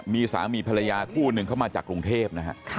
มีสามีภรรยาคู่หนึ่งเข้ามาจากกรุงเทพนะฮะ